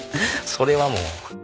それはもう。